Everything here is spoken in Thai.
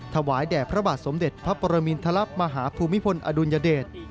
ถวายแด่พระบาทสมเด็จพระปรมินทรมาฮภูมิพลอดุลยเดช